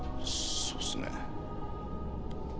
そうっすね。